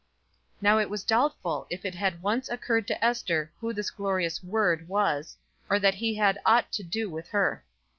'" Now it was doubtful if it had once occurred to Ester who this glorious "Word" was, or that He had aught to do with her.